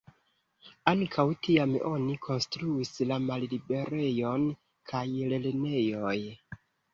Ankaŭ tiam oni konstruis la Malliberejon kaj Lernejoj.